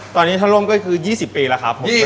ตอนนี้ถ้าร่มก็คือ๒๐ปีแล้วครับผม